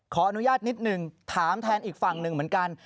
ขออนุญาตนิดหนึ่งถามแทนอีกฝั่งหนึ่งเหมือนกัน